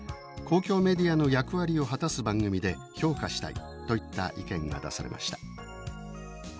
公共メディアの役割を果たす番組で評価したい」といった意見が出されました。